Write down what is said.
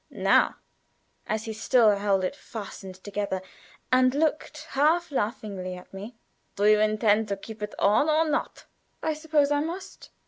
"Now," as he still held it fastened together, and looked half laughingly at me, "do you intend to keep it on or not?" "I suppose I must."